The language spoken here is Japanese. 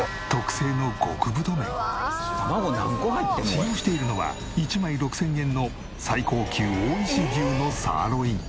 使用しているのは１枚６０００円の最高級大石牛のサーロイン。